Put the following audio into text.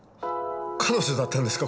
彼女だったんですか